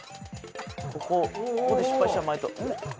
ここここで失敗した前。